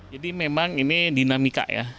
jadi memang ini dinamika ya